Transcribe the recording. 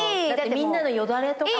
みんなのよだれとかさ。